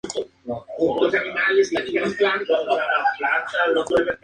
Gracias a la infraestructura de sus vías de comunicación, la distribución es sumamente ágil.